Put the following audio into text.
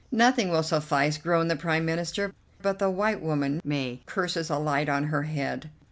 "Nothing will suffice," groaned the Prime Minister, "but the white woman, may curses alight on her head!"